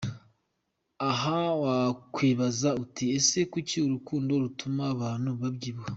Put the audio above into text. Aha wakwibaza uti ese kuki urukundo rutuma abantu babyibuha?.